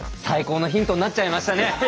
最高のヒントになっちゃいましたね。